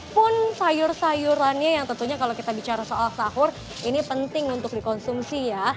pun sayur sayurannya yang tentunya kalau kita bicara soal sahur ini penting untuk dikonsumsi ya